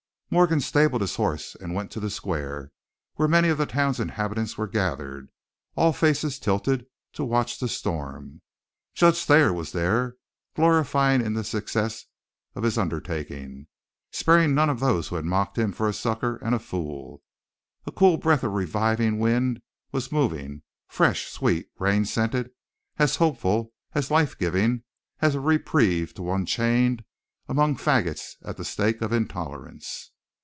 Morgan stabled his horse and went to the square, where many of the town's inhabitants were gathered, all faces tilted to watch the storm. Judge Thayer was there, glorifying in the success of his undertaking, sparing none of those who had mocked him for a sucker and a fool. A cool breath of reviving wind was moving, fresh, sweet, rain scented; as hopeful, as life giving, as a reprieve to one chained among faggots at the stake of intolerance.